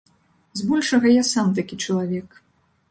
Збольшага я сам такі чалавек.